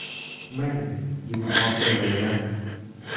แม่ม ! ยิงพร้อมกันเลยนะ